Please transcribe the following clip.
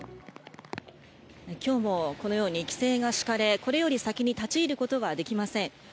今日もこのように規制が敷かれこれより先に立ち入ることができません。